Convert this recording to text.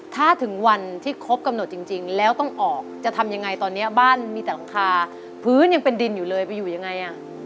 ถ้าถึงวันที่ครบกำหนดจริงแล้วต้องออกจะทำยังไงตอนนี้บ้านมีแต่หลังคาพื้นยังเป็นดินอยู่เลยไปอยู่ยังไง